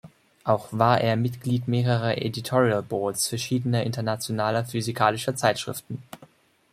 Auch war er Mitglied mehrerer Editorial Boards verschiedener internationaler physikalischer Zeitschriften.